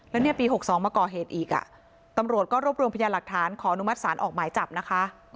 แล้วเนี่ยปี๖๒มาก่อเหตุอีกอ่ะตำรวจก็รวบรวมพยานหลักฐานขออนุมัติศาลออกหมายจับนะคะ